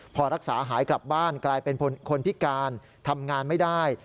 พอรักษาหายกลับบ้านกลายเป็นคนพิการทำงานไม่ได้